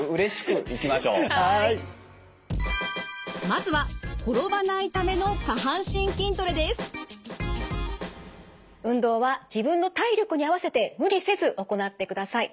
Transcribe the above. まずは運動は自分の体力に合わせて無理せず行ってください。